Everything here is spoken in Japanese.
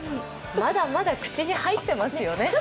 まだまだ口に入ってますよね。